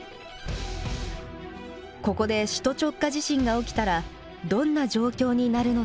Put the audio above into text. ここで首都直下地震が起きたらどんな状況になるのでしょうか？